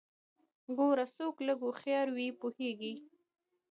ګوره څوک که لږ هوښيار وي او پوهیږي